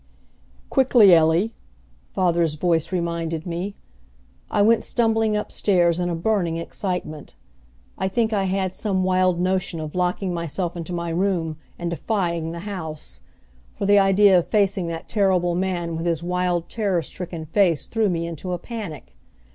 "Quickly, Ellie," father's voice reminded me. I went stumbling up stairs in a burning excitement. I think I had some wild notion of locking myself into my room and defying the house, for the idea of facing that terrible man with his wild terror stricken face threw me into a panic.